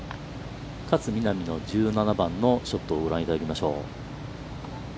勝みなみの１７番のショットをご覧いただきましょう。